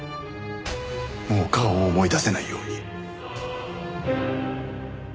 もう顔を思い出せないように。